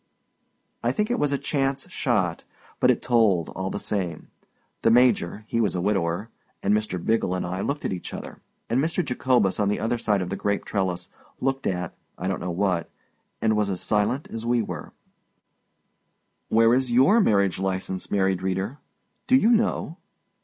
I think it was a chance shot; but it told all the same. The Major (he was a widower) and Mr. Biggle and I looked at each other; and Mr. Jacobus, on the other side of the grape trellis, looked at—I don't know what—and was as silent as we were. Where is your marriage license, married reader? Do you know?